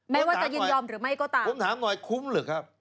ไม่ว่าจะยินยอมหรือไม่ก็ตามผมถามหน่อยคุ้มหรือครับ